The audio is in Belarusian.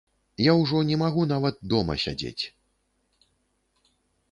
Я ўжо не магу нават дома сядзець.